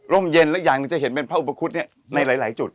เย็นและอย่างหนึ่งจะเห็นเป็นพระอุปคุฎในหลายจุด